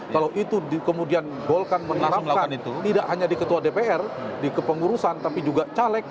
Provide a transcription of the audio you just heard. kalau itu kemudian golkar menerapkan tidak hanya di ketua dpr di kepengurusan tapi juga caleg